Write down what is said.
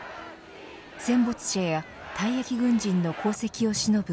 戦没者や退役軍人の功績をしのぐ